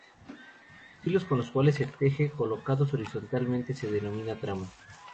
Los hilos con los cuales se teje, colocados horizontalmente, se denominan trama.